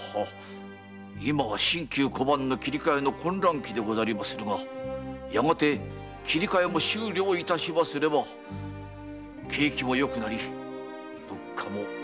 今は新旧小判の切り換えの混乱期でござりまするがやがて切り換えも終了すれば景気もよくなり物価も安定します。